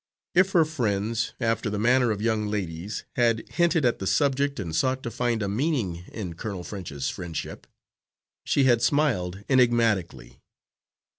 If her friends, after the manner of young ladies, had hinted at the subject and sought to find a meaning in Colonel French's friendship, she had smiled enigmatically.